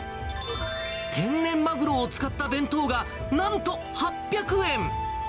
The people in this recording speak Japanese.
天然マグロを使った弁当が、なんと８００円。